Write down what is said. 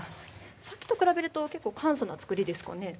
さっきと比べると簡素なつくりですね。